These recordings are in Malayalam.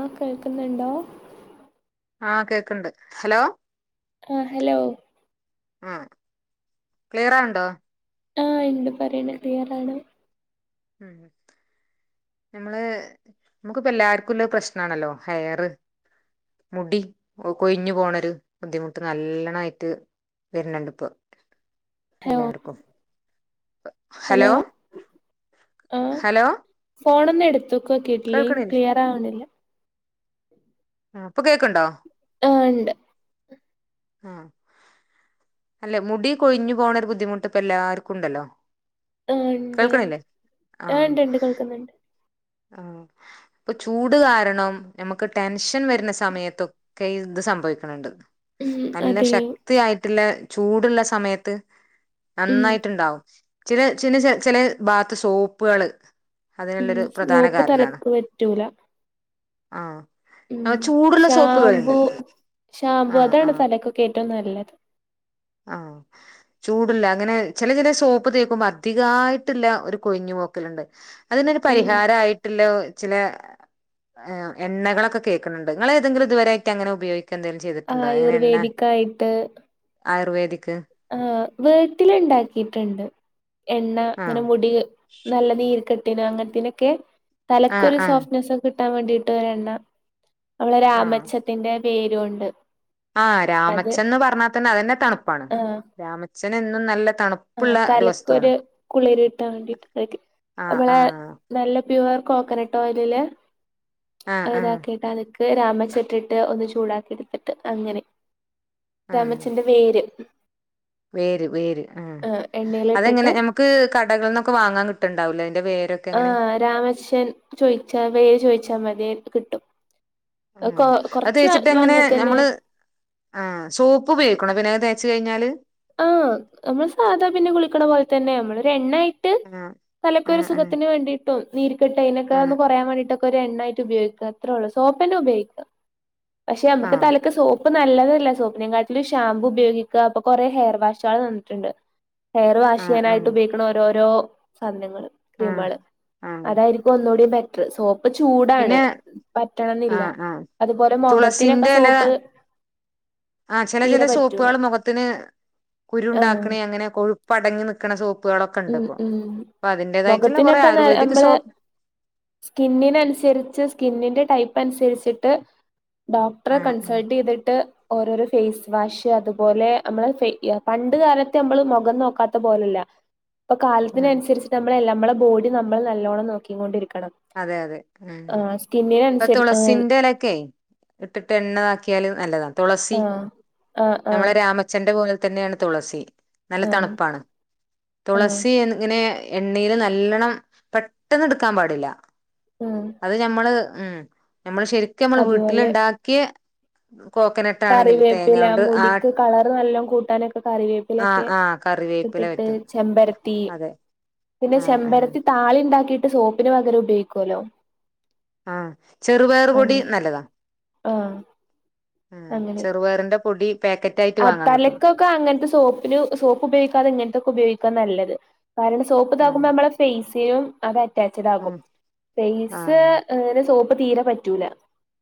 ആഹ് കേൾക്ക്‌ന്നുണ്ടോ ആഹ് കേക്ക്‌ണ്ട് ഹലോ ആഹ് ഹലോ. ആഹ് ക്ലിയറാവ്ണ്ടോ ആഹ് ഇണ്ട് പറയ്ണ് ക്ലിയറാണ് ഉം നമ്മള് നമുക്കിപ്പ എല്ലാർക്കുല്ല പ്രശ്നാണല്ലോ ഹെയറ് മുടി കൊഴഞ്ഞു പോണരു ബുദ്ധിമുട്ട് നല്ലണായിട്ട് വര്ണ് ണ്ട് ഹലോ ഇപ്പംഎല്ലാർക്കും ഹലോ ആ ഹലോ ഫോണൊന്ന് എട്ത്ത്ക്ക്‌ വെക്കി കേൾക്ക്ണില്ലേ ക്ലിയറാവ്ണ്ല്ല. ആഹ് ഇപ്പൊ കേക്ക്‌ണ്ടോ ആഹ് ഇണ്ട് ആഹ് അല്ല മുടി കൊഴിഞ്ഞ് പോണ ഒരു ബുദ്ധിമുട്ട് ഇപ്പൊ എല്ലാർക്കുണ്ടല്ലോ. ആ കേൾക്ക്ന്നില്ലേ? ആഹ് ക്ക്‌ന്ന്ണ്ട്. ആഹ്, ഇപ്പൊ ചൂട് കിരണം, ഞമക്ക് ടെൻഷൻ വരുന്ന സമയത്തൊ ക്കെ ഇത് സംഭവിക്ക്‌ണ് ണ്ട്. ഉം നല്ല അതെ ശക്തിയായിട്ട്ള്ളെ ചൂട്ള്ളെ സമയത്ത് ഉം നന്നായിട്ട്ണ്ടാവും. ചില ചില ചെ ചെലേ ബാത്ത് സോപ്പ്കള് ഉം അതേള്ളൊരു സോപ്പ് തലക്ക് പറ്റൂല. ആ ഉം ആ ചൂടുള്ള സോപ്പുകളുണ്ട് ഷാംമ്പൂ ആ ഷാമ്പു ആ അതാണ് തലക്കൊക്കെ ഏറ്റവും നല്ലത്. ആഹ് ചൂട്ല്ലേ അങ്ങനെ ചെല ചെലേ സോപ്പ് തേക്കുമ്പോ അധികായിട്ട്ള്ള ഒരു കൊഴിഞ്ഞ് പോക്കല്ണ്ട്. അതിനൊരു ഉം പരിഹാര ആയിട്ട്ല്ലോ ചിലാ ഏ എണ്ണകളൊക്കെ കേക്ക്‌ന്ന്ണ്ട്, ങ്ങള് ഏതെങ്കിലും ഇതുവരായ്ട്ടങ്ങനെ ഉപയോഗിക്ക എന്തേലും ആയുർവേദിക്കായിട്ട് ആയുർവേദിക് ആഹ് വീട്ടില് ഇണ്ടാക്കീട്ട്ണ്ട്. എണ്ണ ആ ങ്ങനെ മുടീ നല്ല നീര് കെട്ടിന് അങ്ങൻത്തീനൊക്കെ, ആ തലക്കൊരു ആ സോഫ്റ്റ്നെസ് കിട്ടാൻ വേണ്ടീട്ട് ഒരെണ്ണ. നമ്മളെ ആ രാമച്ചത്തിന്റെ വേര് കൊണ്ട്. ആഹ് രാമച്ചം ന്ന് പർഞ്ഞാ തന്നെ അതന്നെ തണുപ്പാണ്. ആഹ് രാമച്ചൻ എന്നും നല്ല തണു ആഹ് തലക്കൊര് കുളിര് കിട്ടാൻ വേണ്ടീട്ട് തേയ്ക്കും. ആഹ് നമ്മളേ ആഹ് നല്ല പ്യുവർ കോക്കനട്ട് ഓയിലില് ആഹ് അത് ആഹ് ഇതാക്കിയിട്ടാണ് രാമച്ചട്ടിട്ട് ഒന്ന് ചൂടാക്കി എടുത്തിട്ട് അങ്ങനെ. ആഹ് രാമച്ചന്റെ വേര്. വേര് വേര് ആഹ്. അതെങ്ങനെ നമക്ക് കടകൾന്നൊക്കെ വാങ്ങാൻ കിട്ട്ണ്ടാവുലേ അയ്ന്റെ വേരൊ ആഹ് രാമച്ഛൻ ചോയ്ച്ചാ വേര് ചോയ്ച്ചാ മതി കിട്ടും. കൊ അത് കൊറച്ച് തേച്ചിട്ടെങ്ങനെ വാങ്ങിയ തന്നെ ഞമ്മള് ആഹ് സോപ്പുപയോഗിക്കണോ പിന്നെ അത് തേച്ച് കഴിഞ്ഞാല്? ആഹ്, നമ്മള് സാധാ പിന്നെ കുളിക്ക്ണെ പോലെ ത്തന്നെ നമ്മളൊര് എണ്ണയായിട്ട് ആഹ് തലക്കൊര് ആഹ് സുഖത്തിന് വേണ്ടിയിട്ടും, നീര് കെട്ട് അയ്നൊക്കെ ഒന്ന് ആഹ് കൊറയാൻ വേണ്ടീട്ടൊ ഒര് എണ്ണായിട്ട് ഉപയോഗിക്ക അത്രൊള്ളു. സോപ്പെന്നെ ഉപയോഗിക്ക. പക്ഷെ നമ്മക്ക് ആഹ് തലക്ക് സോപ്പ് പ്പ് നല്ലതല്ല. സോപ്പ്നേം കാട്ടിലും ഷാമ്പു ഉപയോഗിക്ക. ഇപ്പൊ കൊറേ ഹെയർ വാഷാള് വന്നിട്ട്ണ്ട്. ഹെയറ് വാഷ് ആഹ് ആഹ് ചെയ്യാനായിട്ട് ആഹ് ഉപയോഗിക്ക്ണ ഓരോരോ സാധനങ്ങള്, ആഹ് ക്രീമാള്. ആഹ് അതായിരി ക്കും ഒന്നൂടി ബെറ്റ്റ്. സോപ് ഇപ്പൊ പിന്നെ ചൂടാണ്, പറ്റണംന്നില്ല. ആഹ് ആഹ് അതുപോലെ മൊഖത്തിനൊക്കെ തുളസിന്റെ എല സോപ്പ് ആഹ് ചെല തീരെ ചെലേ പറ്റൂല സോപ്പാള് മൊഖത്തിന് ആഹ് കുരുണ്ടാക്ക്ണീ അങ്ങനെ കൊഴുപ്പടങ്ങി നിക്ക്ണെ സോപ്പാളൊക്കെ ഉം ഉം. മൊഖത്തിനൊക്കെ ന ആയുർവേദിക് നമ്മള് സോപ്പ് സ്കിന്നിനനുസരിച്ച് സ്കിന്നിന്റെ ടൈപ്പനുസരിച്ചിട്ട് ഡോക്ടറെ ആഹ് ആഹ് കൺസൾട്ടെയ്തിട്ട് ഓരോരൊ ഫെയ്സ് വാഷ് അതുപോലെ, നമ്മളെ ഫെയ് പണ്ട് കാലത്ത് നമ്മള് മൊഖം നോക്കാത്ത പോലല്ല ഇപ്പൊ ആഹ് കാലത്തിനനുസരിച്ച്ട്ട് നമ്മള് നമ്മളെ ബോഡി നമ്മള് നല്ലോണം നോക്കിം കൊണ്ടിരിക്കണം. അതെ അതെ ഉം. ഇപ്പൊ ആഹ് തുളസിന്റെലൊക്കെ ഇട്ട്ട്ട് എണ്ണതാക്കിയാല് നല്ലതാണ്. തുളസി ആഹ് ആഹ് ആഹ് നമ്മളെ രാമ ച്ചന്റെ പോലെ തന്നെയാണ് തുളസി. നല്ല ആഹ് തണുപ്പാണ്. ആഹ് തുളസി ഇങ്ങനെ എണ്ണീല് നല്ലൊണം പെട്ടെന്ന്ട് ക്കാൻ പാടില്ല ഉം അത് ഞമ്മള് ഉം. നമ്മള് ശരിക്ക് നമ്മള് അതുപോലെ വീട്ടില്ണ്ടാക്ക്യെ കോക്കനട്ട് ആണെങ്കിൽ തേങ്ങ കറിവേപ്പില കൊണ്ട് ആ മുടിക്ക് കളറ് നല്ലോം കൂട്ടാനൊക്കെ ആഹ് കറിവേപ്പിലൊക്കെ ആഹ് കറിവേപ്പില ഇട്ടിട്ട് പറ്റും ചെമ്പരത്തീ, അതെ പിന്നെ ആഹ് ആഹ് ചെമ്പരത്തി താളിണ്ടാക്കീട്ട് സോപ്പിന് പകരം ഉപയോഗിക്കോലോ ആഹ്, ചെറുപയറ് പൊടി നല്ലതാ. ആഹ് ആ ചെറുപയറിന്റെ പൊടി പാക്കറ്റ് ആയിട്ട് ആ വാങ്ങാൻ കിട്ടും തലക്കൊക്കെ അങ്ങനത്തെ സോപ്പിന് സോപ്പ് ഉപയോഗിക്കാതെ ഇങ്ങനത്തെക്കെ ഉപയോഗിക്കാ നല്ലത് കാരണം സോപ്പ് ആഹ് ഇതാക്കുമ്പോ നമ്മളെ ഫേസിനും അത് അറ്റാച്ചഡ് ഉം ആകും ഫേസ് ആഹ് അങ്ങനെ സോപ്പ് തീരെ പറ്റൂല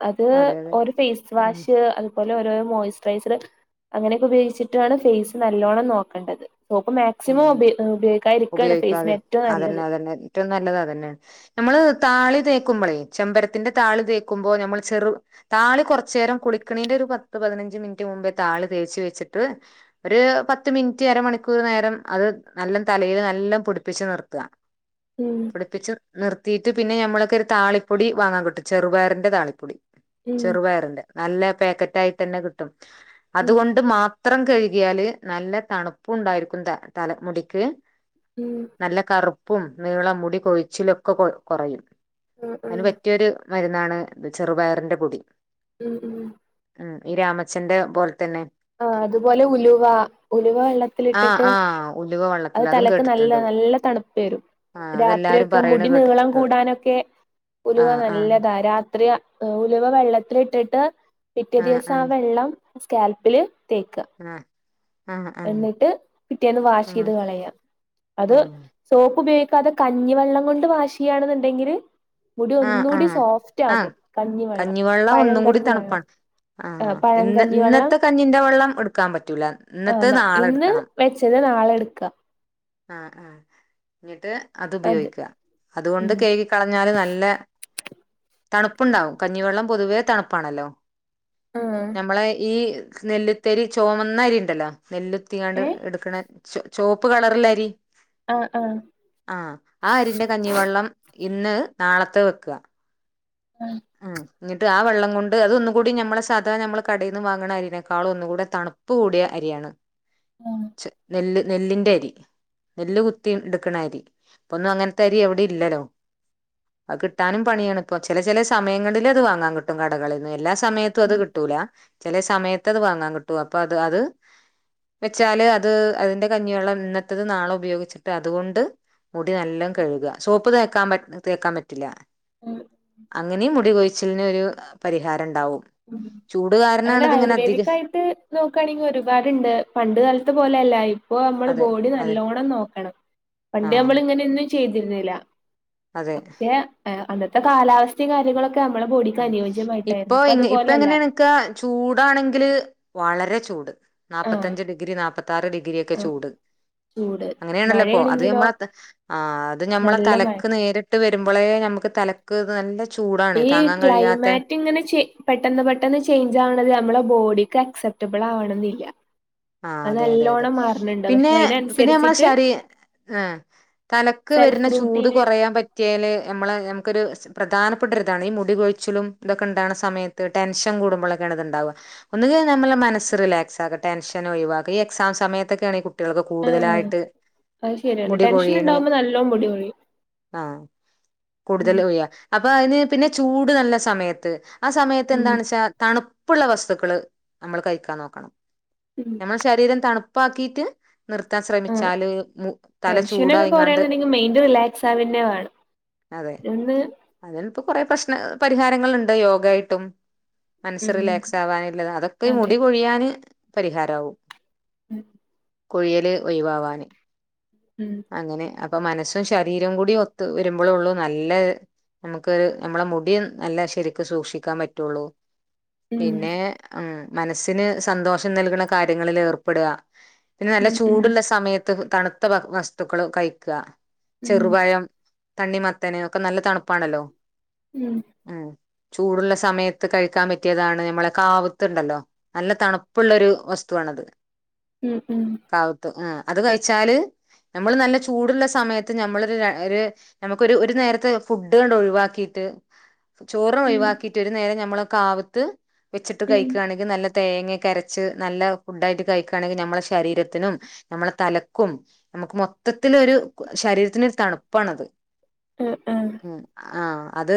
അത് അതെ അതെ ഒര് ഫേസ് ഉം വാഷ് അതുപോലെ ഓരോ മോയ്സ്ചറൈസർ അങ്ങനെയൊക്കെ ഉപയോഗിച്ചിട്ടാണ് ഫേസ് നല്ലോണ്ണം നോക്കേണ്ടത് സോപ്പ് മാക് ഉം സിമം ഉപയോകി ഉപയോഗികാത്തിരിക്കാണ് ഉപയോഗിക്കാതി ഫേസിന് ഏറ്റവും അതന്നെ നല്ലത് അതന്നെ ഏറ്റവും നല്ലതതന്നെ നമ്മള് താളി തേക്കുമ്പോളേ ചെമ്പരത്തിന്റെ താളി തേക്കുമ്പോ നമ്മൾ ചെറു താളി കൊറച്ചേരം കുളിക്കണീന്റെ ഒരു പത്ത് പതിനഞ്ച് മിനിറ്റ് മുമ്പേ താളി തേച്ച് വെച്ചിട്ട് ഒരു പത്ത് മിനിറ്റ് അര മണിക്കൂർ നേരം അത് നല്ല തലൽ നല്ല പുടിപ്പിച്ച് നിർത്ത ഉം പിടിപ്പിച്ച് നിർത്തിയിട്ട് പിന്നെ ഞമ്മളൊക്കെ ഒരു താളിപ്പൊടി വാങ്ങൻ കിട്ടും ചെറുപയറിന്റെ താളിപ്പൊടി ഉം ചെറുപയറിന്റെ നല്ല പാക്കറ്റ് ആയിട്ട്ന്നെ കിട്ടും ഉം അതുകൊണ്ട് മാത്ര ത്രം കഴുകിയാല് നല്ല തണുപ്പും ഉണ്ടായിരിക്കും ത തല മുടിക്ക് ഉം നല്ല കറുപ്പും നീളം മുടി കൊഴിച്ചിലൊക്കെ കൊ കുറയും ഉം അതിന് ഉം പറ്റിയരു മരുന്നാണ് ചെറുപയറിന്റെ പൊടി ഉം ഉം ഈ രാമച്ചന്റെ പോലെ തന്നെ ആ അതുപോലെ ഉലുവ ഉലുവ ആഹ് വെള്ളത്തിലിട്ടിട്ട് ആഹ് ഉലുവ വെള്ളത്തിൽ അത് അതും തലക്ക് നല്ല കേട്ടിട്ടുണ്ട് നല്ല തണുപ്പ് വരും ആഹ് അതെല്ലാരും രാത്രിയൊക്കെ പറയണ മുടി നീളം കേട്ടിട്ടുണ്ട് കൂടാനൊക്കെ ഉലുക ആഹ് ആഹ് നല്ലതാ രാത്രി ഉലുവ വെള്ളത്തിൽ ഇട്ടിട്ട് പിറ്റേ ദിവസം ആഹ് അ വെള്ളം സ്കാപ് പ്പില് തേക്കാ ആഹ് ആഹ് ആഹ് എന്നിട്ട് പിറ്റേന്ന് വാഷ് ആഹ് ചെയ്ത് കളയാ അത് ആഹ് സോപ്പ് ഉപയോഗിക്കാതെ കഞ്ഞിവെള്ളം കൊണ്ട് വാശ് ചെയ്യണെന്നുണ്ടെങ്കില് ആഹ് ആഹ് ആഹ കഞ്ഞിവെള്ളം പഴം ഒന്നും കൂടി കഞ്ഞിവെള്ളം തണുപ്പാണ് ആ പഴം ഇന്ന കഞ്ഞിവെള്ളം ഇന്നത്തെ ക ഞ്ഞിന്റെ വെള്ളം എടുക്കാൻ പറ്റൂല ഇന്നത്തെ ആ നാളെ ഇന്ന് എടുക്കണം വെച്ചത് നാളെ എടുക്കുക ആ ന്നിട്ട് അത് ഉപയോഗിക്ക അതുകൊണ്ട് ഉം കേഴകി കളഞ്ഞാല് നല്ല നല്ല തണുപ്പുണ്ടാവും കഞ്ഞിവെള്ളം പൊതുവേ തണുപ്പാണല്ലോ ആഹ നമ്മളെ ഈ നെല്ലുത്തരി ചുവന്ന അരി ഉണ്ടല്ലോ നെല്ലുത്തിങ്ങാണ്ട് ഏ എടുക്കണ ച ചുവപ്പ് കളറില്ലരി ആ ആ ആ ആ അരിന്റെ കഞ്ഞിവെള്ളം ഇന്ന് നാളത്തെ വെക്ക [unintelligible] ആ് ന്നട്ട് ആ വെള്ളം കൊണ്ട് അതന്നുകൂടി നമ്മള് സാധാ നമ്മള് കടെന്ന് വാങ്ങണഅരിനേക്കാളും ഒന്നുകൂടി തണ പ്പ് കൂടിയ അരിയാണ് നെല്ല് നെല്ലിന്റെ അരി നെല്ല് കുത്തി എടുക്കണ അരി ഇപ്പൊന്നും അങ്ങനത്തെ അരി എവിടെ ഇല്ലല്ലോ അഹ് കിട്ടാനും പണിയാണ് ഇപ്പ ചെല ചെലെ സമയങ്ങളിൽ അത് വാങ്ങാൻ കിട്ടും കടകളിൽന്ന് എല്ലാ സമയത്തും അത് കിട്ടൂല ചെലെ സമയത്ത് അത് വാങ്ങാൻ കിട്ടും അപ്പൊ അത് അത് വെച്ചാല് അത് അതിന്റെ കഞ്ഞിവെള്ളം ഇന്നത്തത് നാളെ ഉപയോഗിച്ചിട്ട് അതുകൊണ്ട് മുടി നല്ലും കഴുക സോപ്പ് തേക്കാൻ തേക്കാൻ പറ്റില്ല ഉം അങ്ങനെയും മുടി കൊഴിച്ചലിന് ഒരു പരിഹാരം ണ്ടാവും അങ്ങനെ ആയുർവേദിക് ആയിട്ട് നോക്കയാണെങ്കിൽ ഒരുപാടുണ്ട് പണ്ട് കാലത്ത് പോലെയല്ലായി ഇപ്പൊ നമ്മള് അതെ ബോഡി അതെ നല്ലോണം നോക്കണം. പണ്ട് നമ്മൾ ആഹ് ഇങ്ങനെയൊന്നും ചെയ്തിരുന്നില്ല. അതെ പക്ഷെ അന്നത്തെ കാലാവസ്ഥയും കാര്യങ്ങളൊക്കെ നമ്മളുടെ ബോഡിക്ക് അനുയോജ്യമായിട്ടായിരുന്നു. അ ഇപ്പൊ ഇപ്പ അതുപോലെയല്ല എങ്ങനെ നിക്ക ചൂടാണെങ്കില് വളരെ ചൂട് നാ ആഹ് പത്തഞ്ച് ഡിഗ്രി നാപ്പത്താറ് ഡഗ്രി ക്കെ ആഹ് ചൂട് ചൂട് അങ്ങനെയാണല്ലോപ്പോൊ അത് മഴയാണെങ്കിലോ നമ്മള ആ അത് നമ്മളെ നല്ല മഴ തലക്ക് നേരിട്ട് വരുമ്പോളേ നമ്മുക്ക് തലക്ക് നല്ല ചൂട ഈ ക്ലൈമാറ്റ് ഇങ്ങനെ പെട്ടെന്ന് പെട്ടെന്ന് ചേഞ്ച് ആവണത് നമ്മളെ ബോഡിക്ക് അക്സെപ്റ്റബിൾ ആവണ എന്നില്ല ആ അതെ അതെ അതെ പിന്നെ പക്ഷെ പിന്നെ നമ്മളെ അതിനനുസരിച്ചിട്ട് ശരീ ആ തലക്ക് സെൽഫ് വരുന്ന ചൂട് റൂട്ടീന് കുറയാൻ പറ്റിയാല് നമ്മളെ നമുക്കൊരു പ്രധാനപ്പെട്ട ഒരുരിതാണ് ഈ മുടികഴിച്ചിലും ഇതൊക്കെ ഉണ്ടാണ സമയത്ത് ടെൻഷൻ കൂടുമ്പോഴൊക്കെയാണ് ഇത് ഉണ്ടാവുക. ഒന്നുക നമ്മുടെ മനസ് റിലാക്സ് ആകട്ടെ ടെൻഷൻ ഒഴിവാക്കും ഈ എക്സാം സമയത്തൊക്കെയ ആണ് കുട്ട കുട്ടികൾക്ക ആഹ് കൂടുതലായിട്ട് അത് ശരിയാണ് ടെൻഷൻ മുടികൊഴീന് ഉണ്ടാവുമ്പോ നല്ലോം മുടി കൊഴിയും ആഹ ഉം കൂടുതൽകൊഴിയ അപ്പൊ അതിന് പിന്നെ ചൂട് നല്ല സമയത്ത് ആ സമയത്ത് ഉം എന്താണ വെച്ചാ തണുപ്പുള്ള വസ്തുക്കള് നമ്മൾ കഴിക്കാൻ നോക്കണം. ഉം നമ്മളെ ശരീരം തണുപ്പാക്കിയിട്ട് നിർത്താൻ ആഹ് ശ്രമിച്ചാല് മു തല ചൂടാ ടെൻഷനൊക്കെ യിങ്ങാണ്ട് കൊറയണെന്നുണ്ടെങ്കിൽ മൈൻഡ് എന്ന് അതിനി ഇപ്പോ കൊറെേ പ്രശ്ന പരിഹാരങ്ങൾണ്ട് യോഗ ആയിട്ടും മനസ്സ് ഉം റിലാക്സ് ആവാനില്ലത് അതൊക്കെ അതെ മുടി കൊഴിയാന് പരിഹാരാവും. ഉം കൊഴിയല് ഒഴിവാവാന് ഉം അങ്ങനെ അപ്പൊ മനസ്സും ശരീരവും കൂടി ഒത്ത് വരുമ്പോഴൊള്ളു നല്ല നമുക്ക് നമ്മളെ മുടി നല്ല ശരിക്ക് സൂക്ഷിക്കാൻ പറ്റൊള്ളു. ഉം പിന്നെ ഉം മനസ്സിന് സന്തോഷം നൽക്ണ കാര്യങ്ങളില് ഏർപ്പെടാ. പിന്നെ നല്ല ഉം ചൂടുള്ള സമയത്ത് തണുത്ത വസ്തുക്കള് കഴിക്കാ ഉം ഉം ചെറുപയം തണ്ണിമത്തന് ഒക്കെ നല്ല തണുപ്പാണല്ലോ ഉം ഉം ചൂടുള്ള സമയത്ത് കഴിക്കാൻ പറ്റിയതാണ് ഞമ്മളെ കാവ്ത്ത്ണ്ടല്ലോ നല്ല തണുപ്പുള്ളരു വസ്തുവാണത് ഉം ഉം കാവ്ത്ത് ആഹ് അത് കഴിച്ചാല് നമ്മള് നല്ല ചൂടുള്ള സമയത്ത് നമ്മളൊര് ഒര് നമുക്കൊരു ഒരു ഒരു നേരത്തെ ഫുഡ്ങ്ങട്ട് ഒഴിവാക്കീട്ട് ചോറ് ഉം ഒഴിവാക്കീട്ട് ഒരു നേരം നമ്മള് കാവ്ത്ത് വെച്ചിട്ട് ഉം ഉം കഴിക്കാണെങ്കി നല്ല തേങ്യോക്കരച്ച് നല്ല ഫുഡായിട്ട് കഴിക്കയാണെങ്കി നമ്മളെ ശരീരത്തിനും നമ്മളെ തലക്കും നമുക്ക് മൊത്തത്തിലൊരു ശരീരത്തിനൊരു തണുപ്പാണത്. എഹ് എഹ് ആഹ് അത്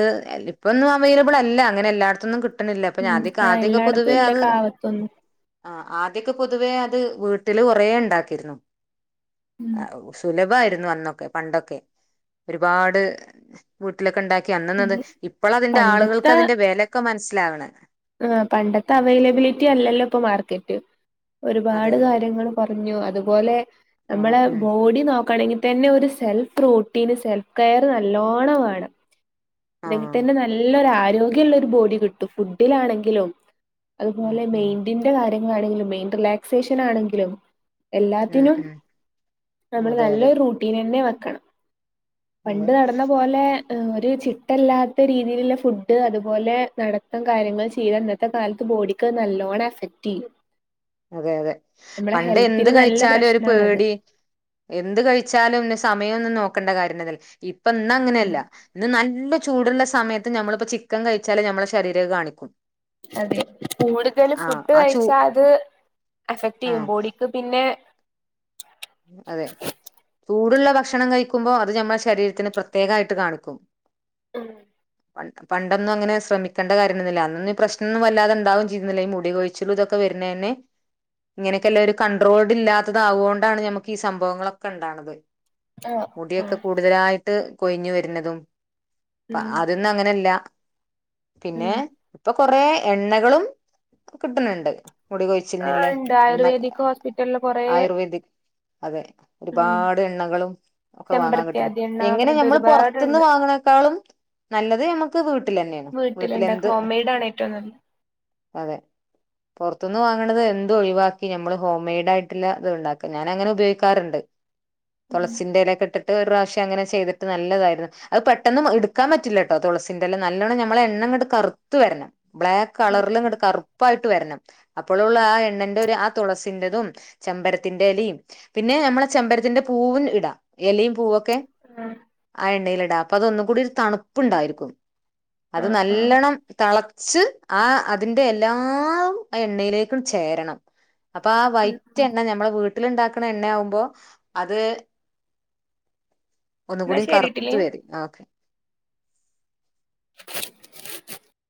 ഇപ്പൊന്നും അവൈലബിള് അല്ല അങ്ങനെ എല്ലായിടത്തുന്നും കി ട്ടാണില്ല ഉം ഞാപ്പഞതിക ആഹ് ആദ്യൊക്കെ എല്ലായിടത്തും പൊതുവേ ഇല്ല അത് കാവത്തൊന്നും ആഹ് ആദ്യൊക്കെ പൊതുവേ അത് വീട്ടില് കൊറേ ഇണ്ടാക്കിരുന്നു. ഉം അവ് സുലഭായിരുന്നു അന്നൊക്കെ പണ്ടൊക്കെ. ഒരുപാട് വീട്ടിലൊക്കെ ഇണ്ടാക്കി അന്നന്നത് അതെ ഇപ്പളാ അതിന്റെ ആളുകൾക്ക് പണ്ടത്തെ അതിന്റെ വെലൊക്കെ മൻസ്സിലാവ്ണ. ആഹ് പണ്ടത്തെ അവൈലബിലിറ്റി അല്ലല്ലോ ഇപ്പൊ മാർക്കറ്റ്. അതെ ഒരുപാട് അതെ കാര്യങ്ങളും പറഞ്ഞു അതുപോലെ ആഹ് നമ്മളെ ഉം ബോഡി നോ ക്കണെങ്കിതന്നെ ഒരു സെൽഫ് റോട്ടീന് സെൽഫ് കെയർ നല്ലോണ്ണം വേണം. ആഹ് [unintelligible] നല്ലൊരു ആരോഗ്യംള്ളൊരു ബോഡി കിട്ടും. ഫുഡിലാണെങ്കിലും ഉം അതുപോലെ ഉം മൈഡിന്റെ കാര്യങ്ങളാണെങ്കിലും മെൻഡറ് റിലാക്സേഷൻ ആണെങ്കിലും ഉം എല്ലാത്തിനും ഉം നമ്മള് അതെ അതെ നല്ലൊരു റൂട്ടീനന്നെ വെക്കണം അതെ പണ്ട് നടന്ന പോലെ ഒരു ചിട്ടല്ലാത്ത രീതിയില്ള്ള ഫുഡ് അതുപോലെ നടത്തം കാര്യങ്ങള് ചെയ്ത ഇന്നത്തെ കാലത്ത് ബോഡിക്ക ഹ് നല്ലോണ്ണം എഫക്ട്യ്യും. അതെ അതെ പണ്ട് എന്ത് ഹെൽത്തിന് നല്ല കഴിച്ചാലും ഒരു പ്രശ്നമാണത് പേടി എന്ത് കഴിച്ചാലും ഇന്ന സമയംന്നൊന്നും നോക്കണ്ട കാര്യം തെന്ന ഇല്ലഇപ്പ ഇന്ന അങ്ങനെയല്ല ഇന്ന് നല്ല ചൂടുള്ള സമയത്ത് നമ്മള്പ്പോ ചിക്കൻ കഴിച്ചാല് ഞമ്മളെ ശരീരഹ് കാണിക്കും അതെ കൂടുതല് ആഹ് ഫുഡ് ആ ചൂ കഴിച്ചാ അത് എഫക്ട്യ്യും ആഹ് ബോഡിക്ക് പിന്നെ അതെ ചൂട്ള്ള ഭക്ഷണം കഴിക്കുമ്പോ അത് നമ്മളെ ശരീരത്തിന് പ്രത്യേകായിട്ട് കാണിക്കും ഉം പണ്ടൊന്നും അങ്ങനെ ശ്രമിക്കണ്ട കാര്യംതന്നെ ഇല്ല. അന്നൊന്നും ഇ പ്രശ്നംന്നും വല്ലാതെ ഇണ്ടാവും ചെയ്തിരുന്നില്ല ഈ മുടികൊഴിച്ചിലുതൊക്കെ വര്ണെന് ഇങ്ങനെക്കെല്ലൊരു കണ്ട്രോൾഡ് ഇല്ലാത്തതാവോണ്ടാണ് നമ്മക്ക് ഈ സംഭവങ്ങളൊക്കെ ഇണ്ടാണത് ആഹ് മുടിയൊക്കെ ആഹ് കൂടുതലായിട്ട് കൊഴിഞ്ഞ് വര്ണതും പ്പ ഉം അത് ന്നും അങ്ങനെ ല്ല പിന്നെ ഉം ഇപ്പ കൊറേ എണ്ണകളും കിട്ട്ണ് ഇണ്ട് മുടികൊഴി ച്ചിൽന് ആഹ് ല്ലേ ഇണ്ട് എണ്ണ ആയുർവേദിക് ഹോസ്പിറ്റലില് കൊറേ ആയുർവേദിക് അതെ ഉം ഒരുപാട് എണ്ണകളും ഒക്കെ വാങ്ങാം കിട്ടണ്. ചെമ്പരത്തിയാതി എണ്ണ എങ്ങനെ പറഞ്ഞിട്ട് ഞമ്മള് പൊറ്ത്ത്ന്ന് ഒരുപാടുണ്ട് വാങ്ങ്ണേക്കാളും നല്ലത് നമ്മക്ക് വീട്ടിലന്നേണ് വീട്ടില് വീട്ടിലുണ്ടാക്ക എന്ത് ഹോം മെയ്ഡ് ആണ് ഏറ്റവും നല്ലത് അതെ പൊർത്ത്ന്ന് വാങ്ങ്ണത് എന്തും ഒഴിവാക്കി നമ്മള് ഹോംമെയ്ഡ് ആയ്ട്ട്ള്ള ഇത്ണ്ടാ ഞാനങ്ങനെ ഉപയോഗിക്കാറ്ണ്ട്. തൊളസിന്റെ എലയൊക്കെ ഇട്ടിട്ട് ഒര്റാശ്യം അങ്ങനെ ചെയ്തിട്ട് നല്ലതായിരുന്നു അഹ് പെട്ടെന്ന് ഇട്ക്കാം പറ്റില്ലട്ടോ തുളസിന്റെല നല്ലോണം ഞമ്മളെ എണ്ണങ്ങട്ട് കറുത്ത് വര്ണം ബ്ലാ കളർല്ങ്ങട്ട് കറുപ്പായിട്ട് വര്ണം അപ്പോഴുള്ള ആ എണ്ണന്റെ ഒരു ആ തുളസിന്റെതും ചെമ്പര ത്തിന്റെലിം പിന്നെ നമ്മളെ ചെമ്പരത്തിന്റെ പൂവും ഇടാ യലിം പൂവൊക്കെ ആഹ് ആ എണ്ണേല്ടാ അപ്പത് ഒന്നുകൂടി ഒര് തണുപ്പ്ണ്ടായിരിക്കും അത് ആഹ് ന ആഹ് ല്ലണം തളച്ച് ആ അതിന്റെഎല്ലാം അ എണ്ണയിലേക്കുംചേരണം. അപ്പ ആ വൈറ്റഎണ്ണ നമ്മളെ വീട്ടില്ണ്ടാക്കണ എണ്ണയാവുമ്പോ അത് എന്നാ ഒന്നുകൂടി കറുത്ത് ശരിട്ടിലി വെരും ആഹ്